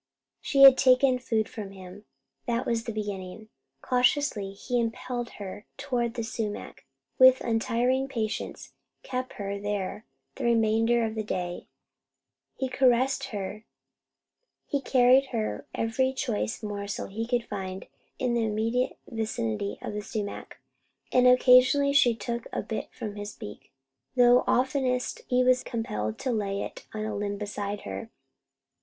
She had taken food from him! That was the beginning. Cautiously he impelled her toward the sumac, and with untiring patience kept her there the remainder of the day. He carried her every choice morsel he could find in the immediate vicinity of the sumac, and occasionally she took a bit from his beak, though oftenest he was compelled to lay it on a limb beside her.